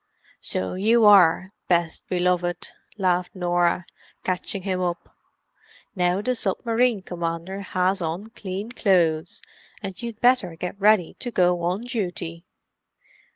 "So you are, best beloved," laughed Norah, catching him up. "Now the submarine commander has on clean clothes, and you'd better get ready to go on duty."